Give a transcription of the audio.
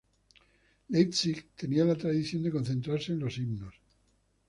Leipzig tenía la tradición de concentrarse en los himnos.